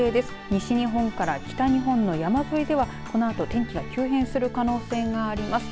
西日本から北日本の山沿いではこのあと天気が急変する可能性があります。